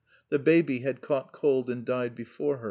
The baby had caught cold and died before her.